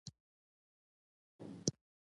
ان هغه کسان شدیداً مخالف وو